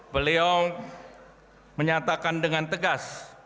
beliau menyatakan dengan tegas